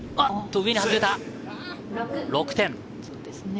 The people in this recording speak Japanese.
上に外れた、６点。